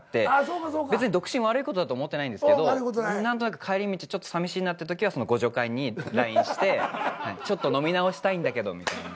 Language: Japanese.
別に独身悪いことだと思ってないんですけど何となく帰り道ちょっとさみしいなってときはその互助会にＬＩＮＥして「ちょっと飲み直したいんだけど」みたいな。